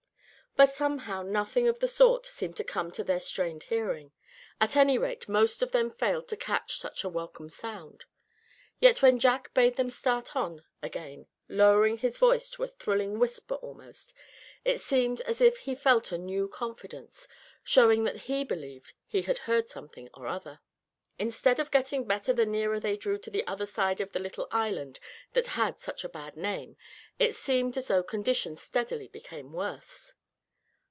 But somehow nothing of the sort seemed to come to their strained hearing; at any rate most of them failed to catch such a welcome sound. Yet when Jack bade them start on again, lowering his voice to a thrilling whisper almost, it seemed as if he felt a new confidence, showing that he believed he had heard something or other. Instead of getting better the nearer they drew to the other side of the little island that had such a bad name, it seemed as though conditions steadily became worse.